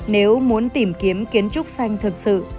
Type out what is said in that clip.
nếu muốn tìm kiếm kiến trúc xanh thực sự